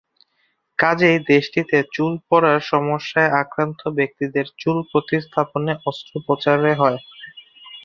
কাজেই দেশটিতে চুল পড়ার সমস্যায় আক্রান্ত ব্যক্তিদের চুল প্রতিস্থাপনে অস্ত্রোপচারে হয়।